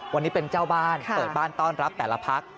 วันนี้เป็นเจ้าบ้านเปิดบ้านต้อนรับแต่ละพัก